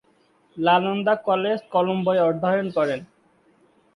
Nalanda college কলম্বোয় অধ্যয়ন করেন।